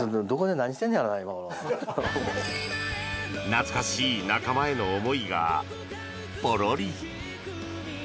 懐かしい仲間への思いがポロリ。